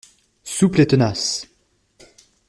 Souple et tenace